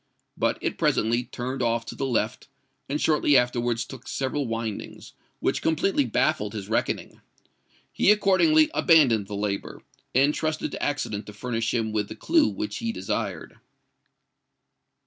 But it presently turned off to the left, and shortly afterwards took several windings, which completely baffled his reckoning. He accordingly abandoned the labour, and trusted to accident to furnish him with the clue which he desired.